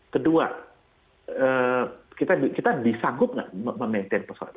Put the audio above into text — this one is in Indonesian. kedua kita bisa sengguh nggak memaintain pesawat